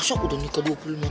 sampai jumpa lagi